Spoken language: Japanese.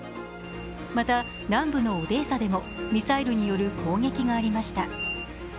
また、南部のオデーサでもミサイルによる攻撃がありました。